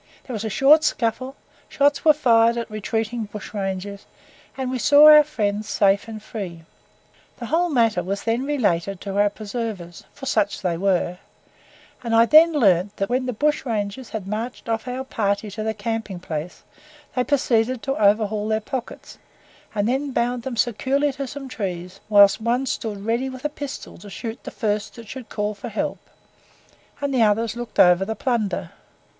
There was a short scuffle, shots were fired at retreating bushrangers, and we saw our friends safe and free. The whole, matter was then related to our preservers for such they were and I then learnt that when the bushrangers had marched off our party to the camping place, they proceeded to overhaul their pockets, and then bound them securely to some trees, whilst one stood ready with a pistol to shoot the first that should call for help, and the others looked over the plunder.